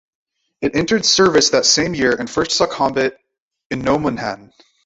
It entered service that same year and first saw combat in Nomonhan.